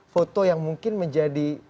foto yang mungkin menjadi